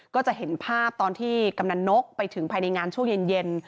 ก็จะเห็นภาพตอนที่กำนันนกไปถึงภายในงานช่วงเย็น